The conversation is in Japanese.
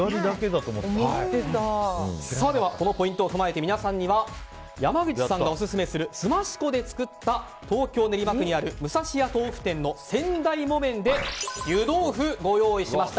このポイントを踏まえて皆さんには山口さんがオススメするすまし粉で作った東京・練馬区にあるむさしや豆腐店の先代木綿で湯豆腐をご用意しました。